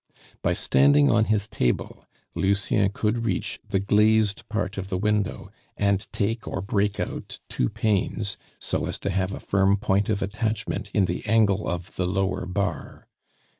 By standing on his table Lucien could reach the glazed part of the window, and take or break out two panes, so as to have a firm point of attachment in the angle of the lower bar.